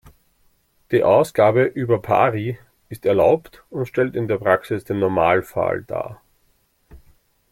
Die Ausgabe "über pari" ist erlaubt und stellt in der Praxis den Normalfall dar.